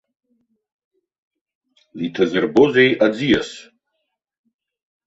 Иҭазырбозеи аӡиас?